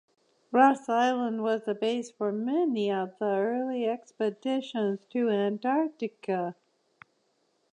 Ross Island was the base for many of the early expeditions to Antarctica.